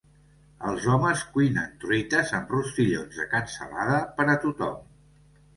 Els homes cuinen truites amb rostillons de cansalada per a tothom.